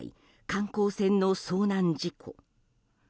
観光船の遭難事故。